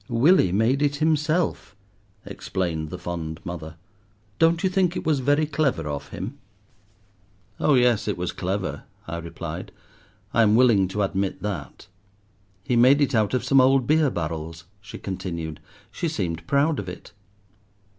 "Willie made it himself," explained the fond mother. "Don't you think it was very clever of him?" "Oh yes, it was clever," I replied, "I am willing to admit that." "He made it out of some old beer barrels," she continued; she seemed proud of it.